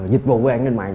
dịch vụ với an ninh mạng